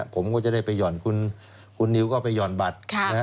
ผมก็จะได้ไปห่อนคุณนิวก็ไปห่อนบัตร